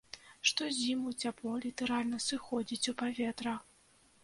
Штозіму цяпло літаральна сыходзіць у паветра.